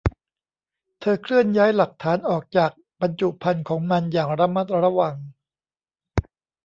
เธอเคลื่อนย้ายหลักฐานออกจากบรรจุภัณฑ์ของมันอย่างระมัดระวัง